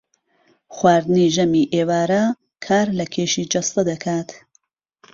خواردنی ژەمی ئێوارە کار لە کێشی جەستە دەکات